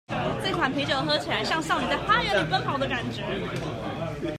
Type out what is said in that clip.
這款啤酒喝起來，像少女在花園裡奔跑的感覺